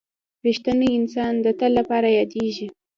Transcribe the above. • رښتینی انسان د تل لپاره یادېږي.